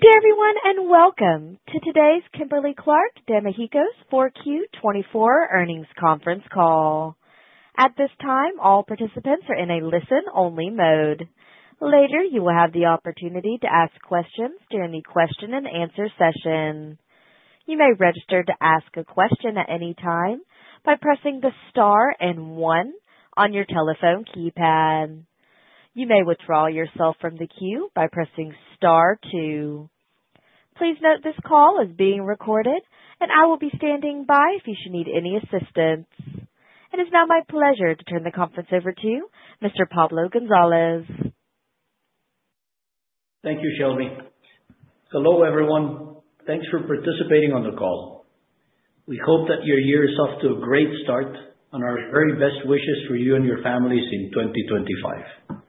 Good day, everyone, and welcome to today's Kimberly-Clark de México's 4Q24 earnings conference call. At this time, all participants are in a listen-only mode. Later, you will have the opportunity to ask questions during the question-and-answer session. You may register to ask a question at any time by pressing the star and one on your telephone keypad. You may withdraw yourself from the queue by pressing star two. Please note this call is being recorded, and I will be standing by if you should need any assistance. It is now my pleasure to turn the conference over to Mr. Pablo González. Thank you, Shelby. Hello, everyone. Thanks for participating on the call. We hope that your year is off to a great start and our very best wishes for you and your families in 2025.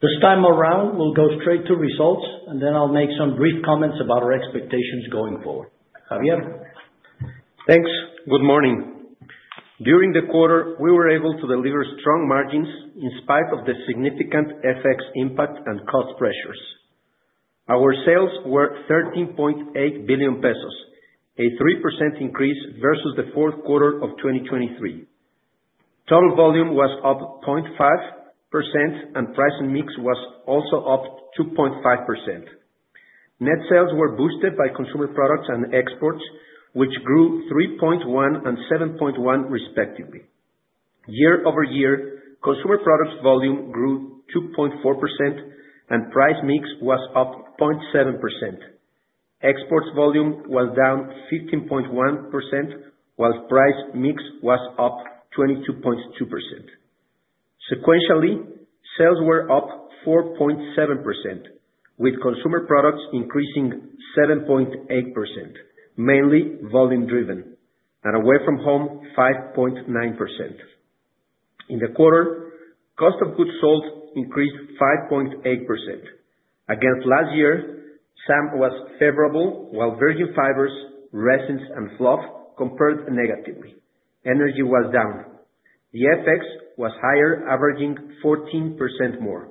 This time around, we'll go straight to results, and then I'll make some brief comments about our expectations going forward. Xavier. Thanks. Good morning. During the quarter, we were able to deliver strong margins in spite of the significant FX impact and cost pressures. Our sales were 13.8 billion pesos, a 3% increase versus the fourth quarter of 2023. Total volume was up 0.5%, and price and mix was also up 2.5%. Net sales were boosted by consumer products and exports, which grew 3.1% and 7.1%, respectively. Year over year, consumer products volume grew 2.4%, and price mix was up 0.7%. Exports volume was down 15.1%, while price mix was up 22.2%. Sequentially, sales were up 4.7%, with consumer products increasing 7.8%, mainly volume-driven, and away from home 5.9%. In the quarter, cost of goods sold increased 5.8%. Against last year, SAM was favorable, while virgin fibers, resins, and fluff compared negatively. Energy was down. The FX was higher, averaging 14% more.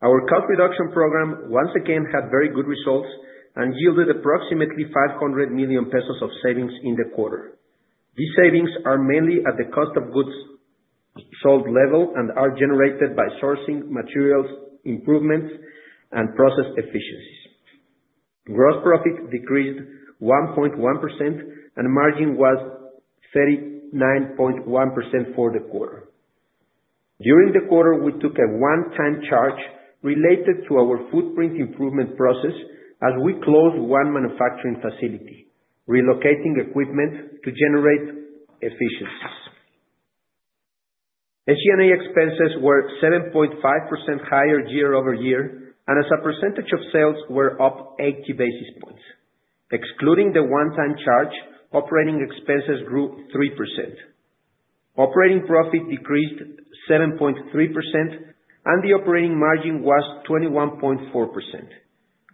Our cost reduction program once again had very good results and yielded approximately 500 million pesos of savings in the quarter. These savings are mainly at the cost of goods sold level and are generated by sourcing materials improvements and process efficiencies. Gross profit decreased 1.1%, and margin was 39.1% for the quarter. During the quarter, we took a one-time charge related to our footprint improvement process as we closed one manufacturing facility, relocating equipment to generate efficiencies. SG&A expenses were 7.5% higher year over year, and as a percentage of sales were up 80 basis points. Excluding the one-time charge, operating expenses grew 3%. Operating profit decreased 7.3%, and the operating margin was 21.4%.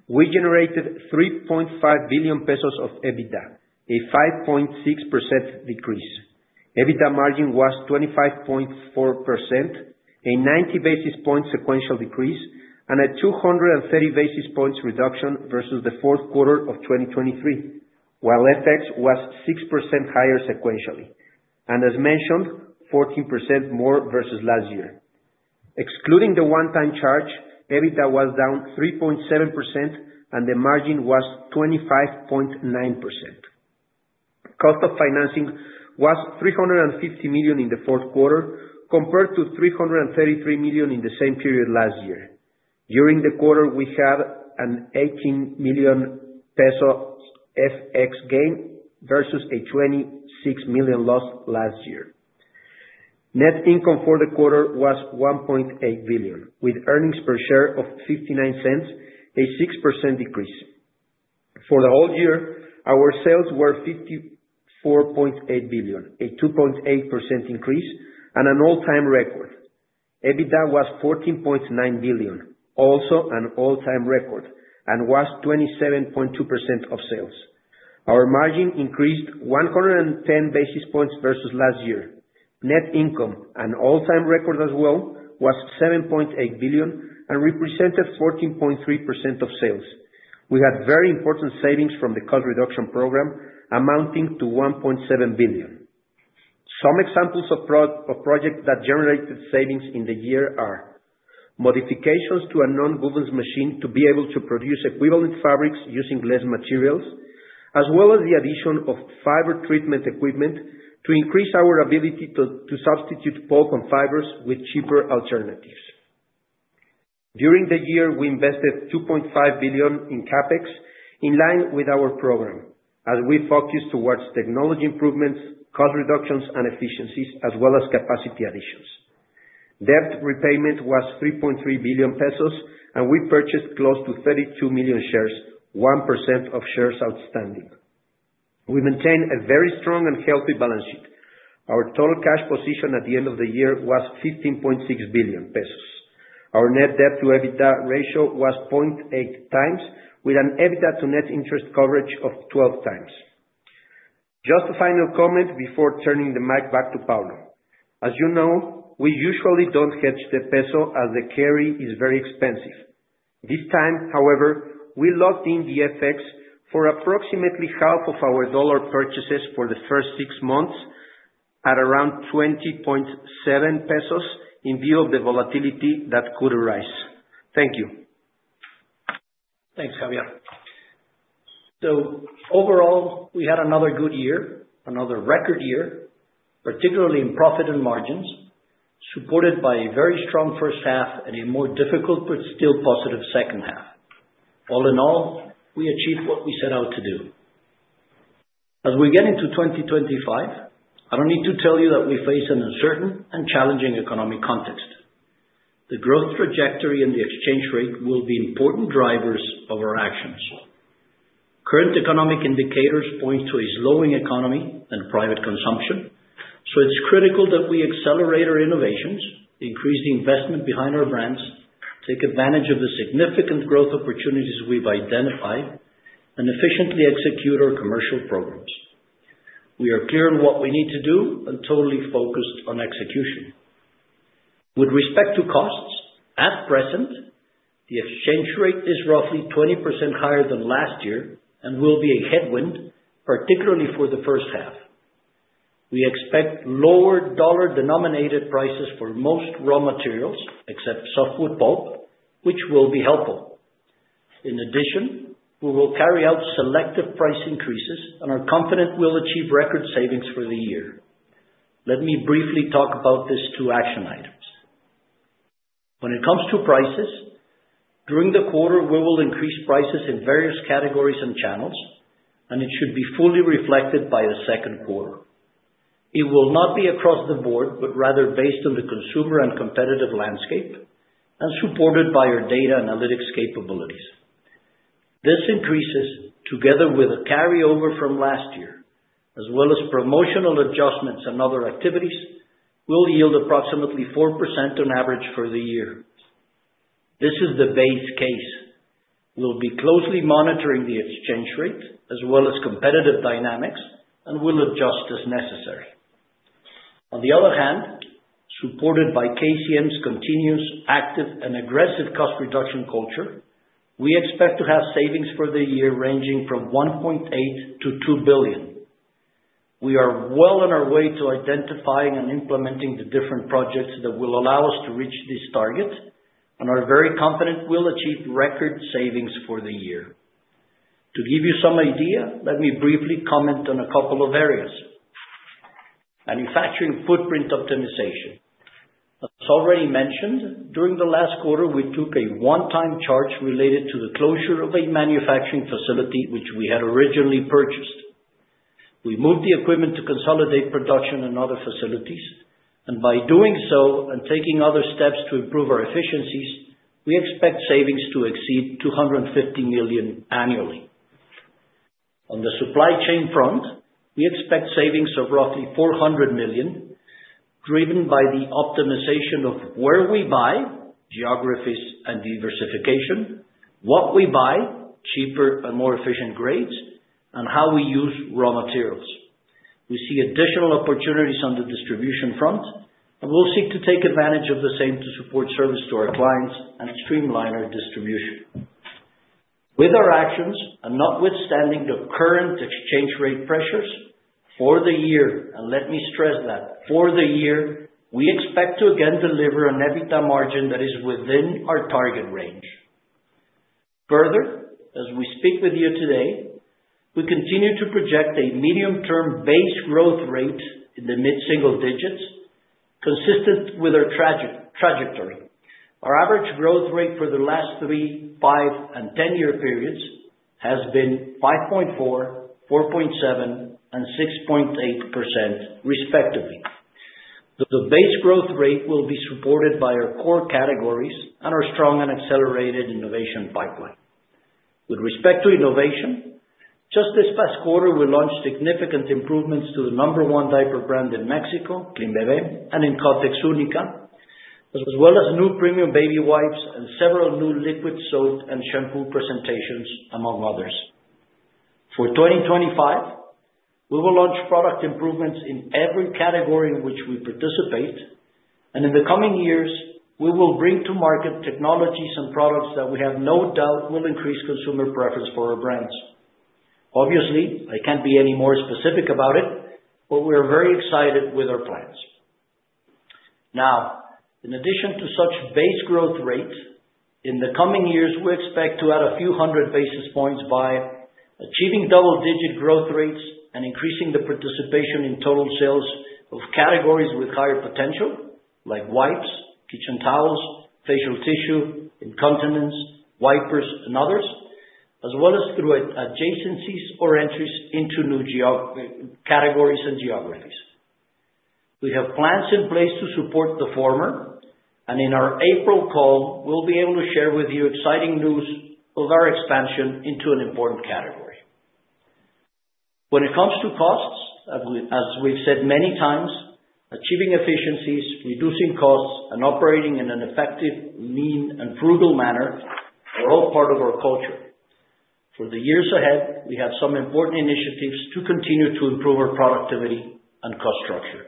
We generated 3.5 billion pesos of EBITDA, a 5.6% decrease. EBITDA margin was 25.4%, a 90 basis point sequential decrease, and a 230 basis points reduction versus the fourth quarter of 2023, while FX was 6% higher sequentially, and as mentioned, 14% more versus last year. Excluding the one-time charge, EBITDA was down 3.7%, and the margin was 25.9%. Cost of financing was 350 million in the fourth quarter compared to 333 million in the same period last year. During the quarter, we had an 18 million peso FX gain versus a 26 million loss last year. Net income for the quarter was 1.8 billion, with earnings per share of $0.59, a 6% decrease. For the whole year, our sales were 54.8 billion, a 2.8% increase, and an all-time record. EBITDA was 14.9 billion, also an all-time record, and was 27.2% of sales. Our margin increased 110 basis points versus last year. Net income, an all-time record as well, was 7.8 billion and represented 14.3% of sales. We had very important savings from the cost reduction program amounting to 1.7 billion. Some examples of projects that generated savings in the year are modifications to a nonwovens machine to be able to produce equivalent fabrics using less materials, as well as the addition of fiber treatment equipment to increase our ability to substitute pulp and fibers with cheaper alternatives. During the year, we invested 2.5 billion in CAPEX in line with our program, as we focused towards technology improvements, cost reductions, and efficiencies, as well as capacity additions. Debt repayment was 3.3 billion pesos, and we purchased close to 32 million shares, 1% of shares outstanding. We maintain a very strong and healthy balance sheet. Our total cash position at the end of the year was 15.6 billion pesos. Our Net Debt to EBITDA ratio was 0.8 times, with an EBITDA to net interest coverage of 12 times. Just a final comment before turning the mic back to Pablo. As you know, we usually don't hedge the peso as the carry is very expensive. This time, however, we locked in the FX for approximately half of our dollar purchases for the first six months at around 20.7 pesos in view of the volatility that could arise. Thank you. Thanks, Javier. So overall, we had another good year, another record year, particularly in profit and margins, supported by a very strong first half and a more difficult but still positive second half. All in all, we achieved what we set out to do. As we get into 2025, I don't need to tell you that we face an uncertain and challenging economic context. The growth trajectory and the exchange rate will be important drivers of our actions. Current economic indicators point to a slowing economy and private consumption, so it's critical that we accelerate our innovations, increase the investment behind our brands, take advantage of the significant growth opportunities we've identified, and efficiently execute our commercial programs. We are clear on what we need to do and totally focused on execution. With respect to costs, at present, the exchange rate is roughly 20% higher than last year and will be a headwind, particularly for the first half. We expect lower dollar-denominated prices for most raw materials, except softwood pulp, which will be helpful. In addition, we will carry out selective price increases and are confident we'll achieve record savings for the year. Let me briefly talk about these two action items. When it comes to prices, during the quarter, we will increase prices in various categories and channels, and it should be fully reflected by the second quarter. It will not be across the board, but rather based on the consumer and competitive landscape and supported by our data analytics capabilities. This increases, together with a carryover from last year, as well as promotional adjustments and other activities, will yield approximately 4% on average for the year. This is the base case. We'll be closely monitoring the exchange rate as well as competitive dynamics and will adjust as necessary. On the other hand, supported by KCM's continuous active and aggressive cost reduction culture, we expect to have savings for the year ranging from 1.8 billion-two billion. We are well on our way to identifying and implementing the different projects that will allow us to reach this target and are very confident we'll achieve record savings for the year. To give you some idea, let me briefly comment on a couple of areas. Manufacturing Footprint Optimization. As already mentioned, during the last quarter, we took a one-time charge related to the closure of a manufacturing facility which we had originally purchased. We moved the equipment to consolidate production in other facilities, and by doing so and taking other steps to improve our efficiencies, we expect savings to exceed 250 million annually. On the supply chain front, we expect savings of roughly 400 million, driven by the optimization of where we buy, geographies, and diversification, what we buy, cheaper and more efficient grades, and how we use raw materials. We see additional opportunities on the distribution front, and we'll seek to take advantage of the same to support service to our clients and streamline our distribution. With our actions and notwithstanding the current exchange rate pressures for the year, and let me stress that, for the year, we expect to again deliver an EBITDA margin that is within our target range. Further, as we speak with you today, we continue to project a medium-term base growth rate in the mid-single digits, consistent with our trajectory. Our average growth rate for the last three, five, and 10-year periods has been 5.4%, 4.7%, and 6.8%, respectively. The base growth rate will be supported by our core categories and our strong and accelerated innovation pipeline. With respect to innovation, just this past quarter, we launched significant improvements to the number one diaper brand in Mexico, KleenBebé, and in Kotex Única, as well as new premium baby wipes and several new liquid soap and shampoo presentations, among others. For 2025, we will launch product improvements in every category in which we participate, and in the coming years, we will bring to market technologies and products that we have no doubt will increase consumer preference for our brands. Obviously, I can't be any more specific about it, but we are very excited with our plans. Now, in addition to such base growth rate, in the coming years, we expect to add a few hundred basis points by achieving double-digit growth rates and increasing the participation in total sales of categories with higher potential, like wipes, kitchen towels, facial tissue, incontinence, wipers, and others, as well as through adjacencies or entries into new categories and geographies. We have plans in place to support the former, and in our April call, we'll be able to share with you exciting news of our expansion into an important category. When it comes to costs, as we've said many times, achieving efficiencies, reducing costs, and operating in an effective, lean, and frugal manner are all part of our culture. For the years ahead, we have some important initiatives to continue to improve our productivity and cost structure.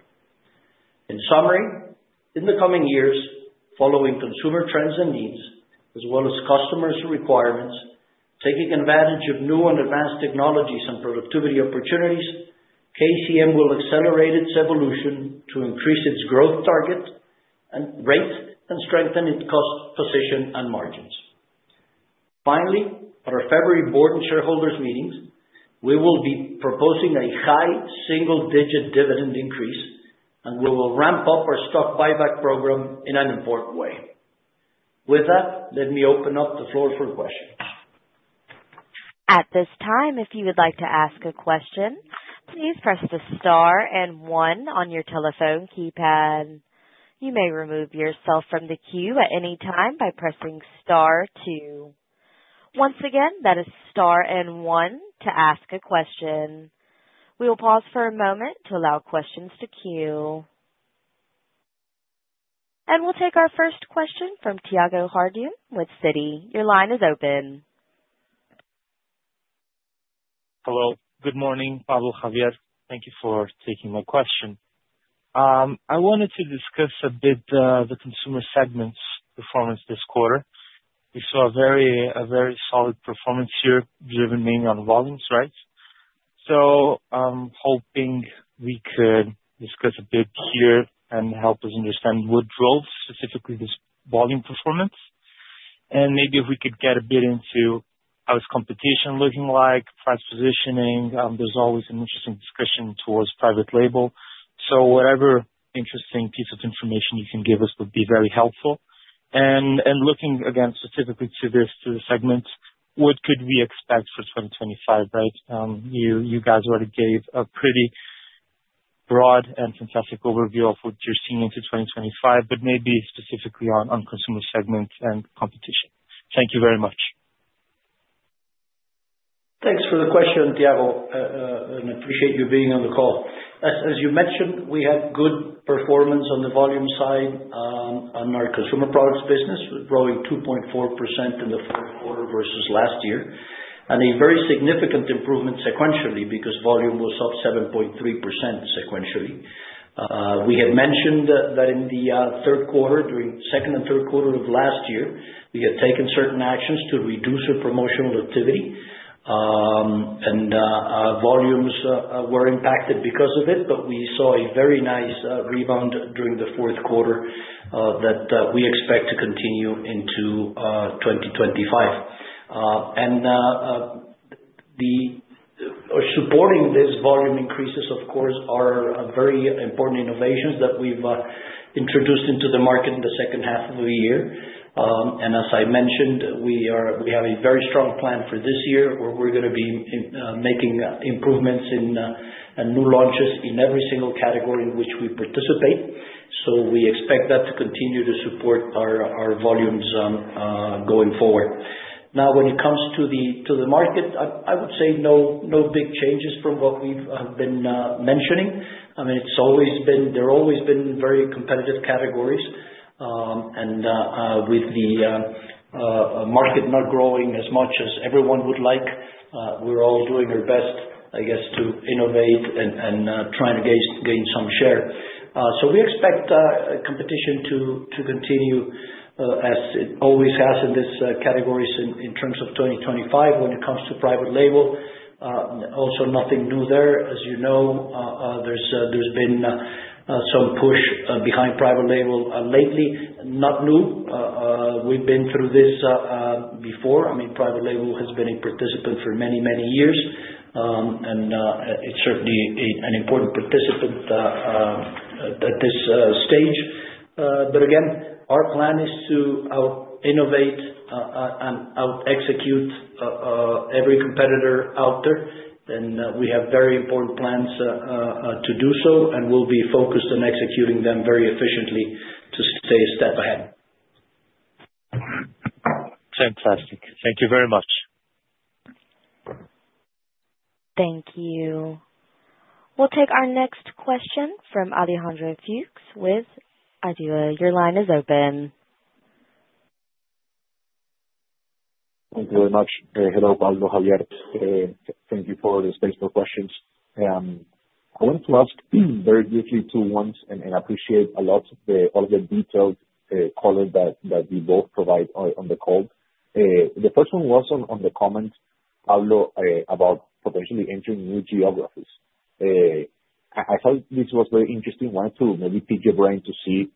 In summary, in the coming years, following consumer trends and needs, as well as customers' requirements, taking advantage of new and advanced technologies and productivity opportunities, KCM will accelerate its evolution to increase its growth target and rate and strengthen its cost position and margins. Finally, at our February board and shareholders meetings, we will be proposing a high single-digit dividend increase, and we will ramp up our stock buyback program in an important way. With that, let me open up the floor for questions. At this time, if you would like to ask a question, please press the star and one on your telephone keypad. You may remove yourself from the queue at any time by pressing star two. Once again, that is star and one to ask a question. We will pause for a moment to allow questions to queue, and we'll take our first question from Tiago Harduim with Citi. Your line is open. Hello. Good morning, Pablo, Javier. Thank you for taking my question. I wanted to discuss a bit the consumer segments performance this quarter. We saw a very solid performance here, driven mainly on volumes, right? So I'm hoping we could discuss a bit here and help us understand what drove specifically this volume performance. And maybe if we could get a bit into how is competition looking like, price positioning. There's always an interesting discussion towards private label. So whatever interesting piece of information you can give us would be very helpful. And looking again specifically to this segment, what could we expect for 2025, right? You guys already gave a pretty broad and fantastic overview of what you're seeing into 2025, but maybe specifically on consumer segments and competition. Thank you very much. Thanks for the question, Thiago, and I appreciate you being on the call. As you mentioned, we had good performance on the volume side on our consumer products business, growing 2.4% in the fourth quarter versus last year, and a very significant improvement sequentially because volume was up 7.3% sequentially. We had mentioned that in the second and third quarter of last year, we had taken certain actions to reduce our promotional activity, and volumes were impacted because of it, but we saw a very nice rebound during the fourth quarter that we expect to continue into 2025, and supporting these volume increases, of course, are very important innovations that we've introduced into the market in the second half of the year. As I mentioned, we have a very strong plan for this year where we're going to be making improvements and new launches in every single category in which we participate. We expect that to continue to support our volumes going forward. Now, when it comes to the market, I would say no big changes from what we've been mentioning. I mean, there have always been very competitive categories, and with the market not growing as much as everyone would like, we're all doing our best, I guess, to innovate and try and gain some share. We expect competition to continue as it always has in these categories in terms of 2025 when it comes to private label. Also, nothing new there. As you know, there's been some push behind private label lately. Not new. We've been through this before. I mean, private label has been a participant for many, many years, and it's certainly an important participant at this stage. But again, our plan is to out-innovate and out-execute every competitor out there. And we have very important plans to do so, and we'll be focused on executing them very efficiently to stay a step ahead. Fantastic. Thank you very much. Thank you. We'll take our next question from Alejandro Fuchs with Itaú BBA. Your line is open. Thank you very much. Hello, Pablo, Javier. Thank you for the space for questions. I wanted to ask very briefly two ones and appreciate a lot of the detailed color that we both provide on the call. The first one was on the comment, Pablo, about potentially entering new geographies. I thought this was very interesting. I wanted to maybe pick your brain to see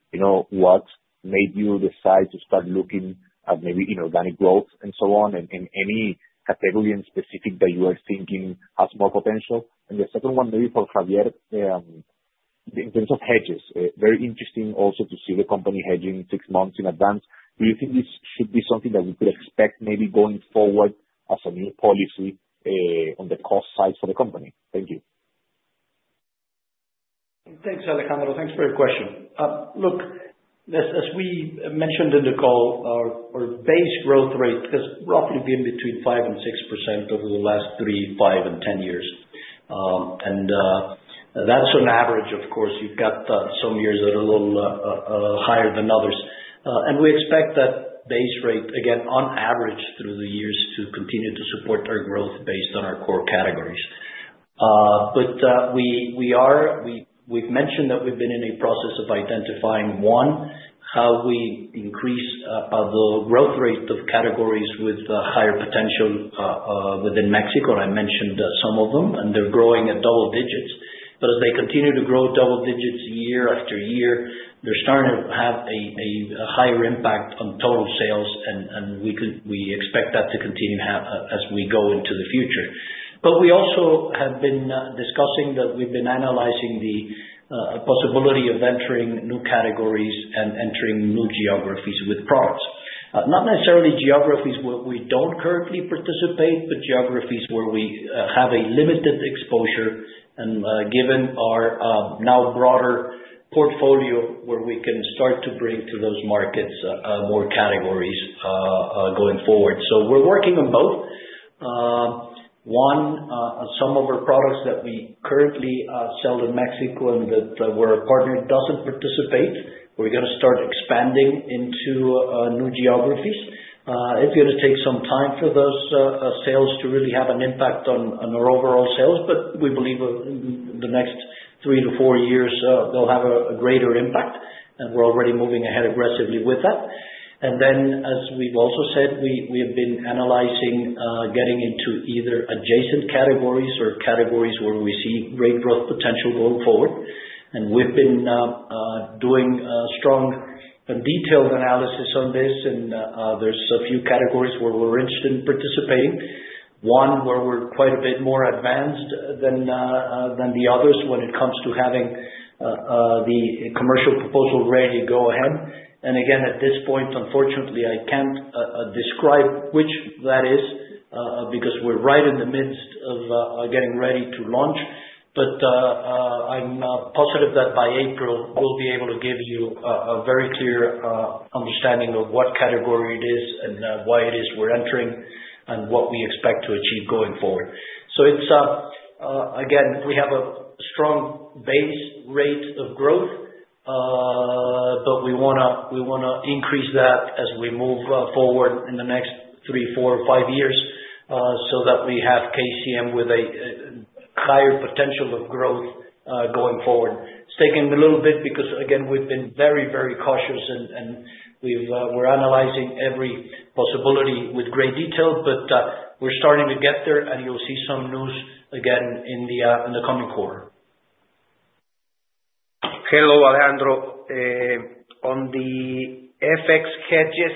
what made you decide to start looking at maybe inorganic growth and so on and any category in specific that you are thinking has more potential. And the second one, maybe for Javier, in terms of hedges, very interesting also to see the company hedging six months in advance. Do you think this should be something that we could expect maybe going forward as a new policy on the cost side for the company? Thank you. Thanks, Alejandro. Thanks for your question. Look, as we mentioned in the call, our base growth rate has roughly been between 5%-6% over the last three, five, and 10 years. And that's on average, of course. You've got some years that are a little higher than others. And we expect that base rate, again, on average through the years, to continue to support our growth based on our core categories. But we've mentioned that we've been in a process of identifying, one, how we increase the growth rate of categories with higher potential within Mexico. I mentioned some of them, and they're growing at double digits. But as they continue to grow double digits year after year, they're starting to have a higher impact on total sales, and we expect that to continue as we go into the future. But we also have been discussing that we've been analyzing the possibility of entering new categories and entering new geographies with products. Not necessarily geographies where we don't currently participate, but geographies where we have a limited exposure and given our now broader portfolio where we can start to bring to those markets more categories going forward. So we're working on both. One, some of our products that we currently sell in Mexico and that where our partner doesn't participate, we're going to start expanding into new geographies. It's going to take some time for those sales to really have an impact on our overall sales, but we believe in the next three to four years, they'll have a greater impact, and we're already moving ahead aggressively with that. And then, as we've also said, we have been analyzing getting into either adjacent categories or categories where we see great growth potential going forward. And we've been doing strong and detailed analysis on this, and there's a few categories where we're interested in participating. One where we're quite a bit more advanced than the others when it comes to having the commercial proposal ready to go ahead. And again, at this point, unfortunately, I can't describe which that is because we're right in the midst of getting ready to launch. But I'm positive that by April, we'll be able to give you a very clear understanding of what category it is and why it is we're entering and what we expect to achieve going forward. So again, we have a strong base rate of growth, but we want to increase that as we move forward in the next three, four, or five years so that we have KCM with a higher potential of growth going forward. It's taking a little bit because, again, we've been very, very cautious, and we're analyzing every possibility with great detail, but we're starting to get there, and you'll see some news again in the coming quarter. Hello, Alejandro. On the FX hedges,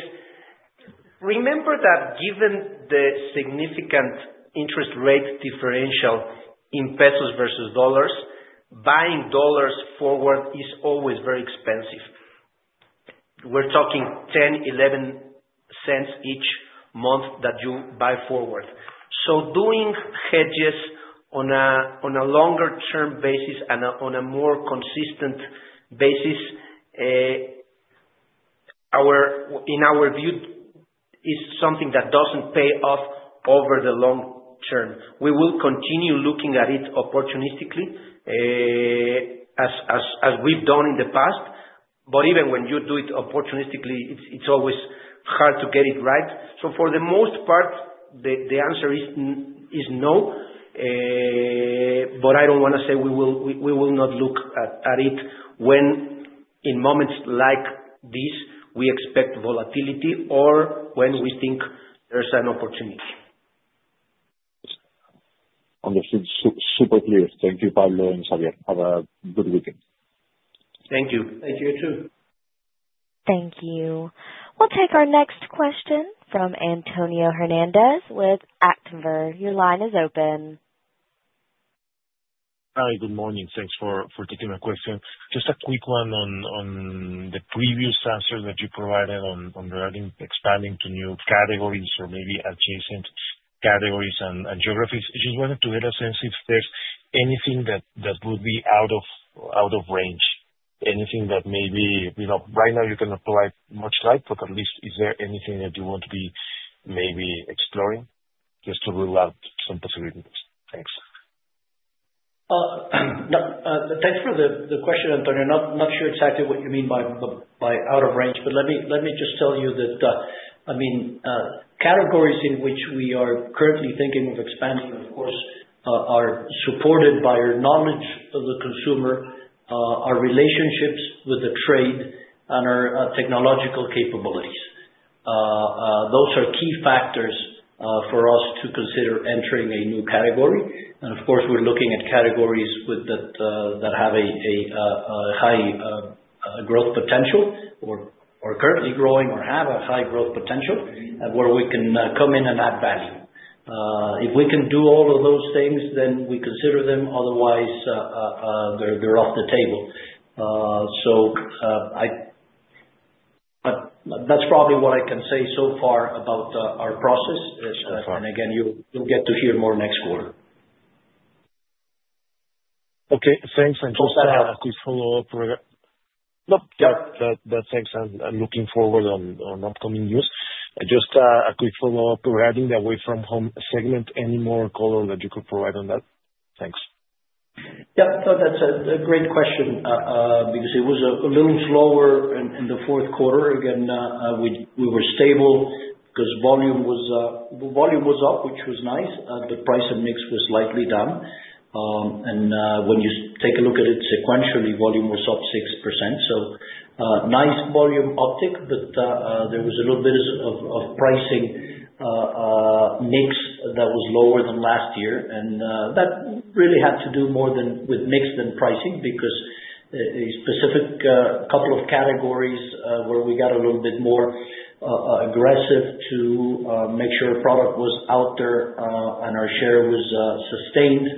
remember that given the significant interest rate differential in pesos versus dollars, buying dollars forward is always very expensive. We're talking $0.10-$0.11 each month that you buy forward. So doing hedges on a longer-term basis and on a more consistent basis, in our view, is something that doesn't pay off over the long term. We will continue looking at it opportunistically as we've done in the past, but even when you do it opportunistically, it's always hard to get it right. So for the most part, the answer is no, but I don't want to say we will not look at it when in moments like these, we expect volatility or when we think there's an opportunity. Understood. Super clear. Thank you, Pablo and Javier. Have a good weekend. Thank you. Thank you. You too. Thank you. We'll take our next question from Antonio Hernández with Actinver. Your line is open. Hi. Good morning. Thanks for taking my question. Just a quick one on the previous answer that you provided on regarding expanding to new categories or maybe adjacent categories and geographies. I just wanted to get a sense if there's anything that would be out of range, anything that maybe right now you can apply much light, but at least is there anything that you want to be maybe exploring just to rule out some possibilities? Thanks. Thanks for the question, Antonio. Not sure exactly what you mean by out of range, but let me just tell you that, I mean, categories in which we are currently thinking of expanding, of course, are supported by our knowledge of the consumer, our relationships with the trade, and our technological capabilities. Those are key factors for us to consider entering a new category. And of course, we're looking at categories that have a high growth potential or are currently growing or have a high growth potential where we can come in and add value. If we can do all of those things, then we consider them. Otherwise, they're off the table. So that's probably what I can say so far about our process. And again, you'll get to hear more next quarter. Okay. Thanks. I just had a quick follow-up. Nope. Yep. That's excellent. I'm looking forward on upcoming news. Just a quick follow-up regarding the away-from-home segment. Any more color that you could provide on that? Thanks. Yep. No, that's a great question because it was a little slower in the fourth quarter. Again, we were stable because volume was up, which was nice. The price and mix was slightly down, and when you take a look at it sequentially, volume was up 6%, so nice volume uptick, but there was a little bit of pricing mix that was lower than last year, and that really had to do more with mix than pricing because a specific couple of categories where we got a little bit more aggressive to make sure our product was out there and our share was sustained.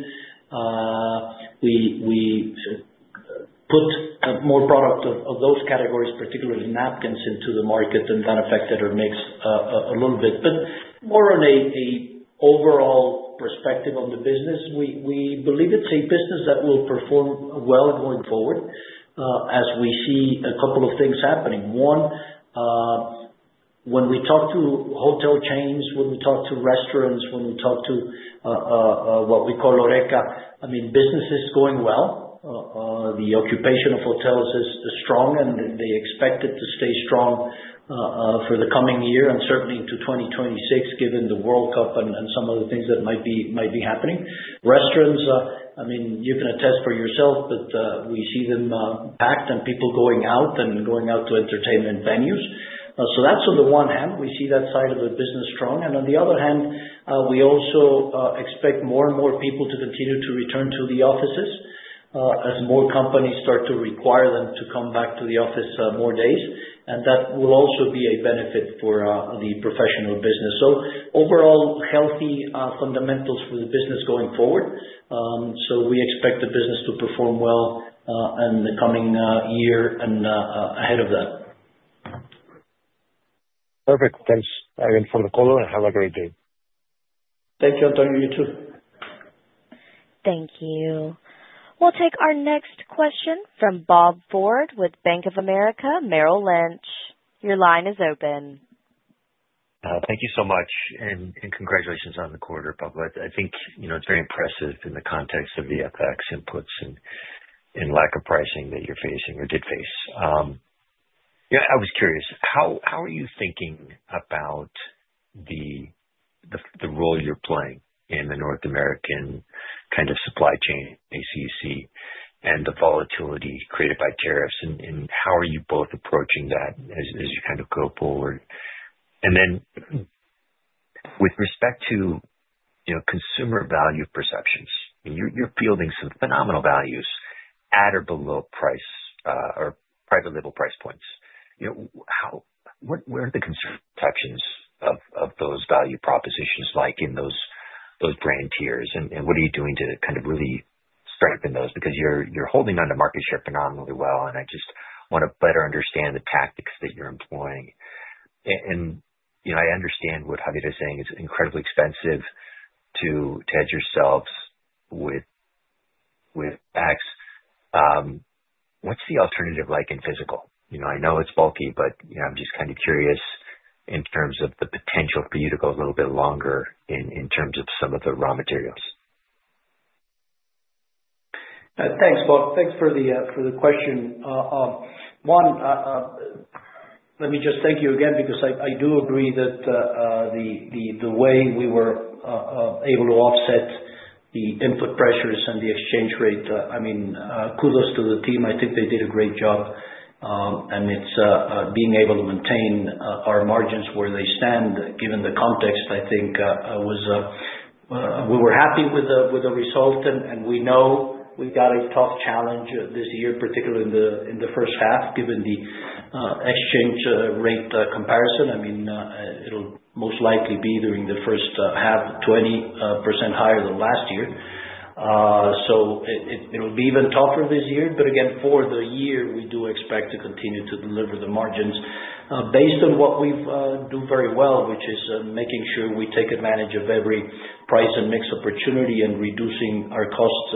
We put more product of those categories, particularly napkins, into the market, and that affected our mix a little bit. But more on an overall perspective on the business, we believe it's a business that will perform well going forward as we see a couple of things happening. One, when we talk to hotel chains, when we talk to restaurants, when we talk to what we call HORECA, I mean, business is going well. The occupation of hotels is strong, and they expect it to stay strong for the coming year and certainly into 2026 given the World Cup and some of the things that might be happening. Restaurants, I mean, you can attest for yourself, but we see them packed and people going out and going out to entertainment venues. So that's on the one hand. We see that side of the business strong. On the other hand, we also expect more and more people to continue to return to the offices as more companies start to require them to come back to the office more days. That will also be a benefit for the professional business. Overall, healthy fundamentals for the business going forward. We expect the business to perform well in the coming year and ahead of that. Perfect. Thanks, Ian, for the call, and have a great day. Thank you, Antonio. You too. Thank you. We'll take our next question from Bob Ford with Bank of America, Merrill Lynch. Your line is open. Thank you so much. And congratulations on the quarter, Pablo. I think it's very impressive in the context of the FX inputs and lack of pricing that you're facing or did face. I was curious, how are you thinking about the role you're playing in the North American kind of supply chain, KCC, and the volatility created by tariffs? And how are you both approaching that as you kind of go forward? And then with respect to consumer value perceptions, you're fielding some phenomenal values at or below private label price points. Where are the consumer perceptions of those value propositions like in those brand tiers? And what are you doing to kind of really strengthen those? Because you're holding on to market share phenomenally well, and I just want to better understand the tactics that you're employing. And I understand what Javier is saying. It's incredibly expensive to hedge yourselves with FX. What's the alternative like in physical? I know it's bulky, but I'm just kind of curious in terms of the potential for you to go a little bit longer in terms of some of the raw materials. Thanks, Bob. Thanks for the question. One, let me just thank you again because I do agree that the way we were able to offset the input pressures and the exchange rate, I mean, kudos to the team. I think they did a great job. And it's being able to maintain our margins where they stand given the context, I think we were happy with the result. And we know we got a tough challenge this year, particularly in the first half given the exchange rate comparison. I mean, it'll most likely be during the first half, 20% higher than last year. So it'll be even tougher this year. But again, for the year, we do expect to continue to deliver the margins based on what we do very well, which is making sure we take advantage of every price and mix opportunity and reducing our costs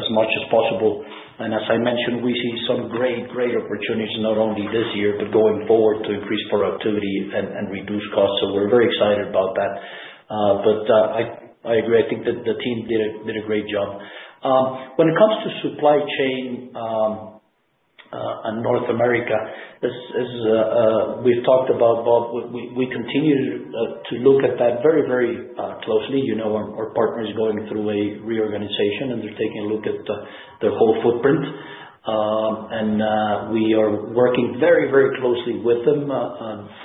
as much as possible. And as I mentioned, we see some great, great opportunities not only this year, but going forward to increase productivity and reduce costs. So we're very excited about that. But I agree. I think that the team did a great job. When it comes to supply chain in North America, as we've talked about, Bob, we continue to look at that very, very closely. Our partner is going through a reorganization, and they're taking a look at their whole footprint. And we are working very, very closely with them.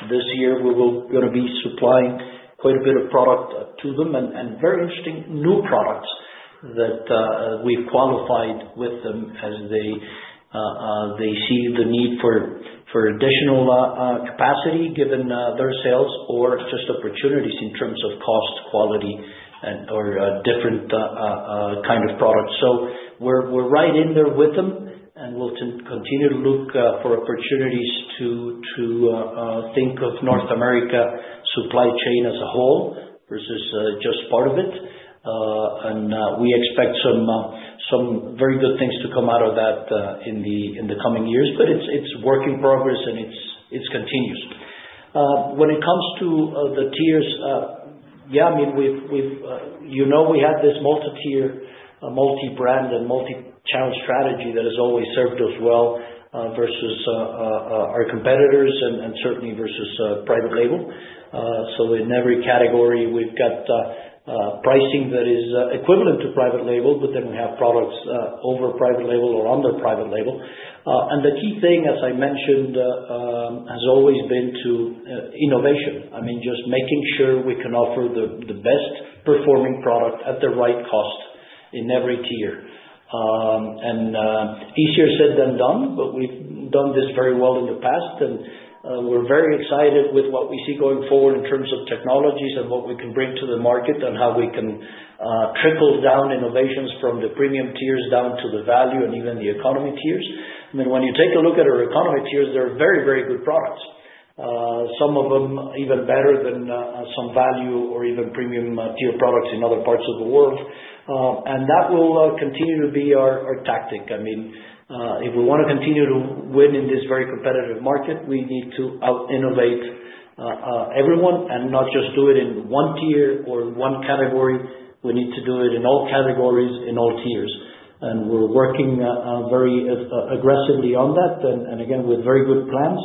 This year, we're going to be supplying quite a bit of product to them and very interesting new products that we've qualified with them as they see the need for additional capacity given their sales or just opportunities in terms of cost, quality, or different kind of products. So we're right in there with them, and we'll continue to look for opportunities to think of North America supply chain as a whole versus just part of it. And we expect some very good things to come out of that in the coming years, but it's work in progress, and it's continuous. When it comes to the tiers, yeah, I mean, you know we had this multi-tier, multi-brand, and multi-channel strategy that has always served us well versus our competitors and certainly versus private label. In every category, we've got pricing that is equivalent to private label, but then we have products over private label or under private label. The key thing, as I mentioned, has always been to innovation. I mean, just making sure we can offer the best-performing product at the right cost in every tier. Easier said than done, but we've done this very well in the past. We're very excited with what we see going forward in terms of technologies and what we can bring to the market and how we can trickle down innovations from the premium tiers down to the value and even the economy tiers. I mean, when you take a look at our economy tiers, they're very, very good products. Some of them even better than some value or even premium-tier products in other parts of the world. And that will continue to be our tactic. I mean, if we want to continue to win in this very competitive market, we need to innovate everyone and not just do it in one tier or one category. We need to do it in all categories in all tiers. And we're working very aggressively on that and, again, with very good plans.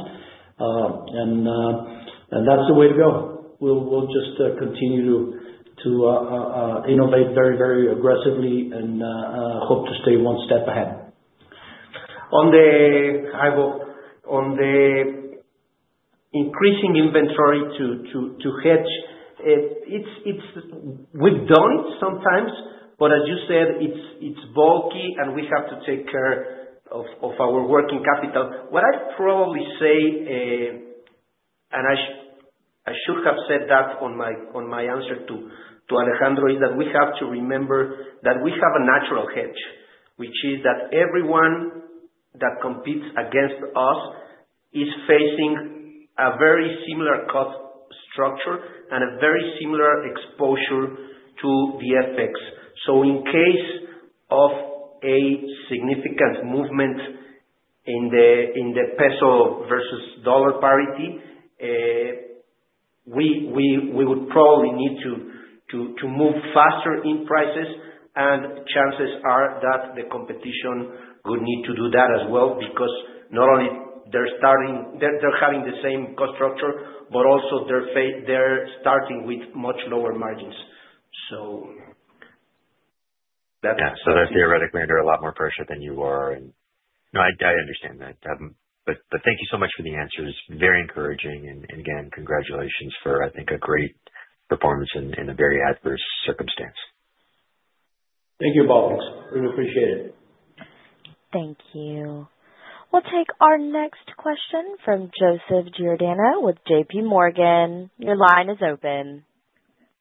And that's the way to go. We'll just continue to innovate very, very aggressively and hope to stay one step ahead. On the increasing inventory to hedge, we've done it sometimes, but as you said, it's bulky, and we have to take care of our working capital. What I probably say, and I should have said that on my answer to Alejandro, is that we have to remember that we have a natural hedge, which is that everyone that competes against us is facing a very similar cost structure and a very similar exposure to the FX. So in case of a significant movement in the peso versus dollar parity, we would probably need to move faster in prices. And chances are that the competition would need to do that as well because not only they're having the same cost structure, but also they're starting with much lower margins. So. Yeah. So theoretically, there's a lot more pressure than you are. And no, I understand that. But thank you so much for the answers. Very encouraging. And again, congratulations for, I think, a great performance in a very adverse circumstance. Thank you, Bob. We appreciate it. Thank you. We'll take our next question from Joseph Giordano with JPMorgan. Your line is open.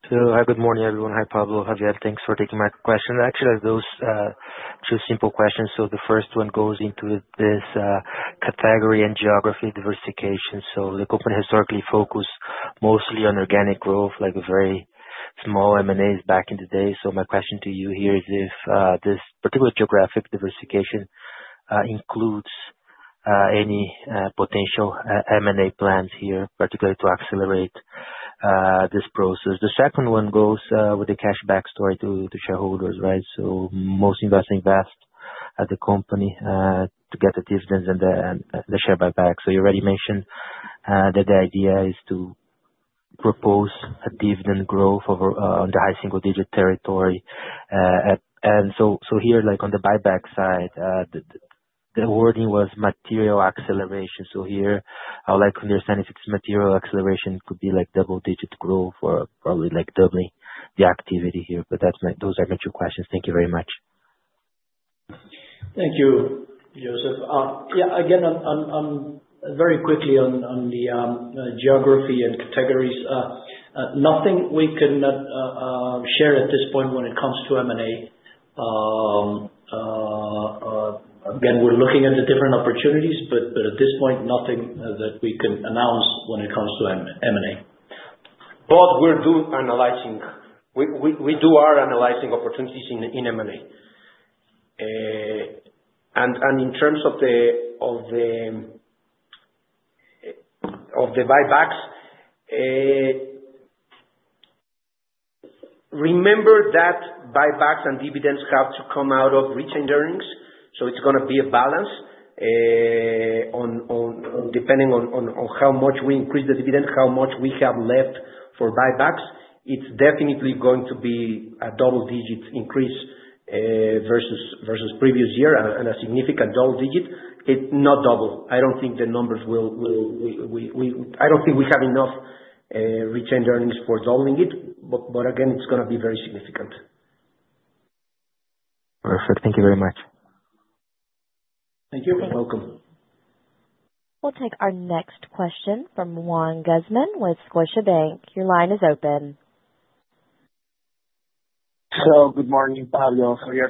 Hello. Hi, good morning, everyone. Hi, Pablo. Javier, thanks for taking my question. Actually, I have those two simple questions. So the first one goes into this category and geography diversification. So the company historically focused mostly on organic growth, like very small M&As back in the day. So my question to you here is if this particular geographic diversification includes any potential M&A plans here, particularly to accelerate this process. The second one goes with the cashback story to shareholders, right? So most investors invest at the company to get the dividends and the share buyback. So you already mentioned that the idea is to propose a dividend growth on the high single-digit territory. And so here, on the buyback side, the wording was material acceleration. So here, I'll understand if it's material acceleration could be double-digit growth or probably doubling the activity here. But those are my two questions. Thank you very much. Thank you, Joseph. Yeah. Again, very quickly on the geography and categories, nothing we can share at this point when it comes to M&A. Again, we're looking at the different opportunities, but at this point, nothing that we can announce when it comes to M&A. But we're doing analyzing. We do our analyzing opportunities in M&A. And in terms of the buybacks, remember that buybacks and dividends have to come out of reaching earnings. So it's going to be a balance depending on how much we increase the dividend, how much we have left for buybacks. It's definitely going to be a double-digit increase versus previous year and a significant double-digit. It's not double. I don't think the numbers will. I don't think we have enough reaching earnings for doubling it. But again, it's going to be very significant. Perfect. Thank you very much. Thank you. You're welcome. We'll take our next question from Juan Guzman with Scotiabank. Your line is open. Hello. Good morning, Pablo. Javier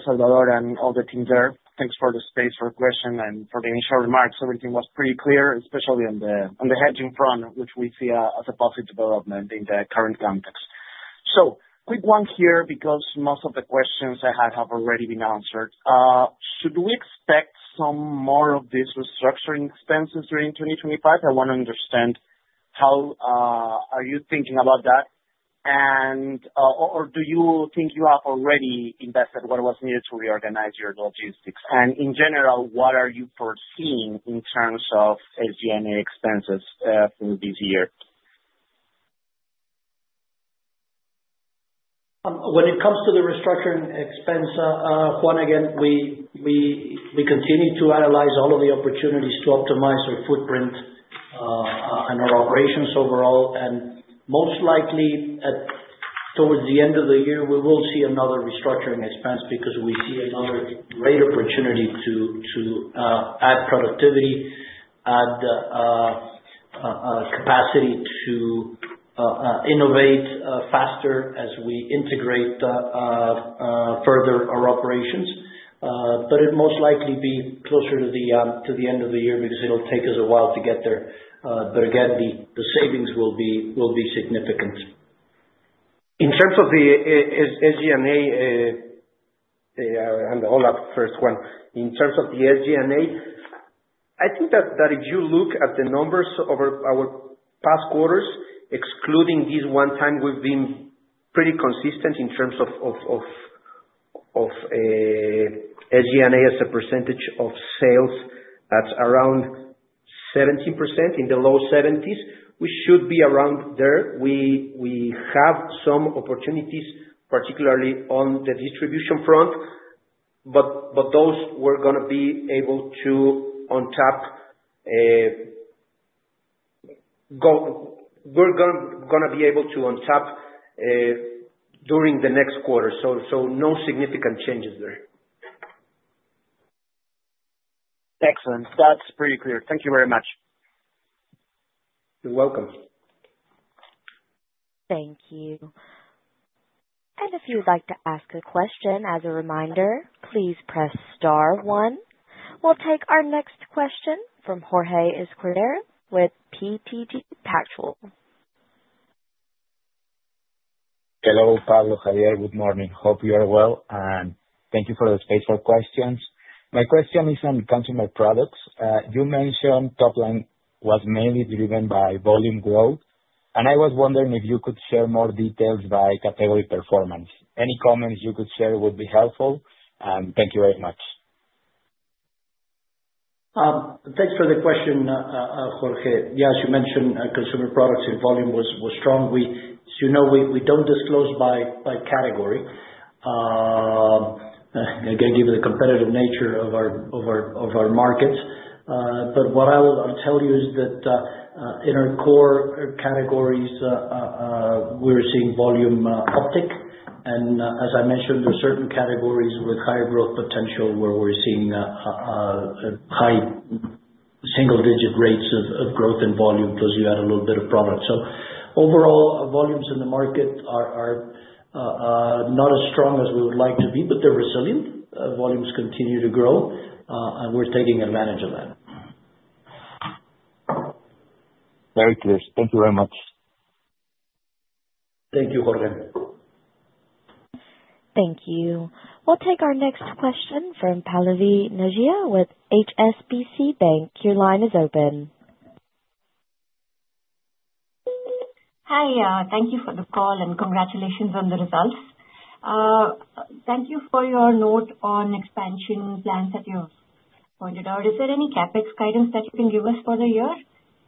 and all the team there. Thanks for the space for the question and for the initial remarks. Everything was pretty clear, especially on the hedging front, which we see as a positive development in the current context, so quick one here because most of the questions I had have already been answered. Should we expect some more of these restructuring expenses during 2025? I want to understand how you're thinking about that. And do you think you have already invested what was needed to reorganize your logistics? And in general, what are you foreseeing in terms of SG&A expenses for this year? When it comes to the restructuring expense, Juan, again, we continue to analyze all of the opportunities to optimize our footprint and our operations overall. And most likely, towards the end of the year, we will see another restructuring expense because we see another great opportunity to add productivity, add capacity to innovate faster as we integrate further our operations. But it most likely will be closer to the end of the year because it'll take us a while to get there. But again, the savings will be significant. In terms of the SG&A and the OLAP first one, in terms of the SG&A, I think that if you look at the numbers over our past quarters, excluding this one time, we've been pretty consistent in terms of SG&A as a percentage of sales. That's around 17% in the low 70s. We should be around there. We have some opportunities, particularly on the distribution front, but those we're going to be able to untap. We're going to be able to untap during the next quarter. So no significant changes there. Excellent. That's pretty clear. Thank you very much. You're welcome. Thank you. And if you'd like to ask a question, as a reminder, please press star one. We'll take our next question from Jorge Escudero with BTG Pactual. Hello, Pablo, Javier. Good morning. Hope you are well. And thank you for the space for questions. My question is on consumer products. You mentioned top line was mainly driven by volume growth. And I was wondering if you could share more details by category performance. Any comments you could share would be helpful. And thank you very much. Thanks for the question, Jorge. Yeah, as you mentioned, consumer products and volume were strong. As you know, we don't disclose by category. Again, given the competitive nature of our markets. But what I'll tell you is that in our core categories, we're seeing volume uptick. And as I mentioned, there are certain categories with higher growth potential where we're seeing high single-digit rates of growth and volume because you add a little bit of product. So overall, volumes in the market are not as strong as we would like to be, but they're resilient. Volumes continue to grow. And we're taking advantage of that. Very clear. Thank you very much. Thank you, Jorge. Thank you. We'll take our next question from Pallavi Anajwala with HSBC. Your line is open. Hi. Thank you for the call and congratulations on the results. Thank you for your note on expansion plans that you pointed out. Is there any CAPEX guidance that you can give us for the year?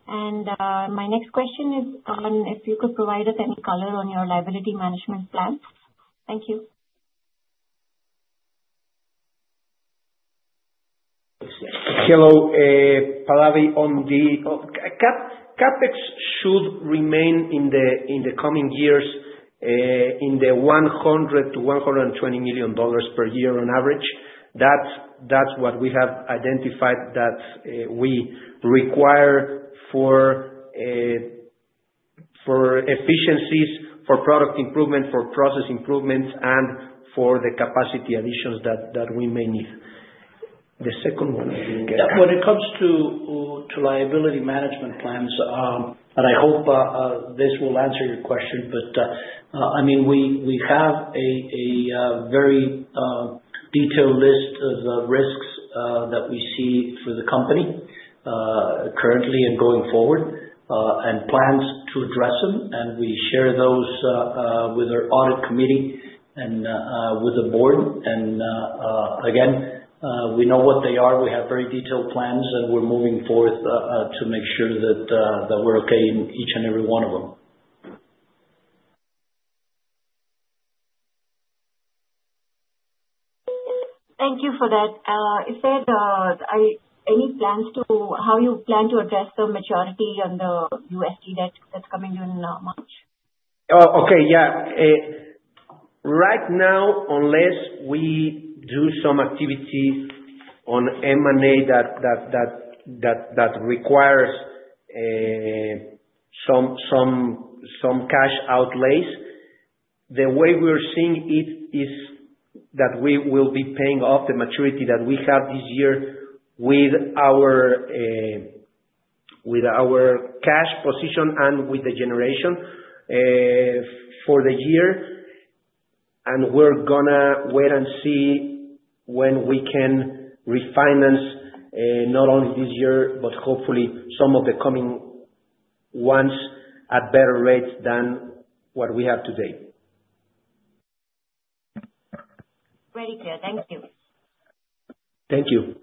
And my next question is on if you could provide us any color on your liability management plan. Thank you. Hello. Pallavi, on the CapEx should remain in the coming years in the $100 million-$120 million per year on average. That's what we have identified that we require for efficiencies, for product improvement, for process improvements, and for the capacity additions that we may need. The second one. When it comes to liability management plans, and I hope this will answer your question, but I mean, we have a very detailed list of risks that we see for the company currently and going forward and plans to address them. And we share those with our audit committee and with the board. And again, we know what they are. We have very detailed plans, and we're moving forward to make sure that we're okay in each and every one of them. Thank you for that. Is there any plans to how you plan to address the maturity on the USD that's coming in March? Okay. Yeah. Right now, unless we do some activity on M&A that requires some cash outlays, the way we're seeing it is that we will be paying off the maturity that we have this year with our cash position and with the generation for the year, and we're going to wait and see when we can refinance not only this year, but hopefully some of the coming ones at better rates than what we have today. Very clear. Thank you. Thank you.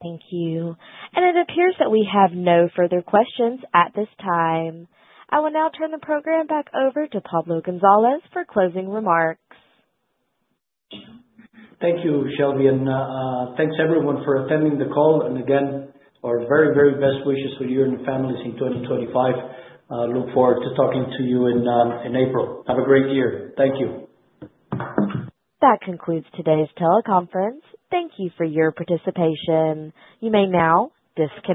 Thank you. And it appears that we have no further questions at this time. I will now turn the program back over to Pablo González for closing remarks. Thank you, Shelby. And thanks, everyone, for attending the call. And again, our very, very best wishes for you and your families in 2025. Look forward to talking to you in April. Have a great year. Thank you. That concludes today's teleconference. Thank you for your participation. You may now disconnect.